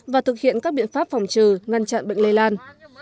và thực hiện các biện pháp phòng trừ ngăn chặn bệnh lây lan